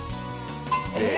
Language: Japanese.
えっ？